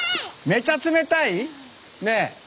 めっちゃ冷たい？ねえ？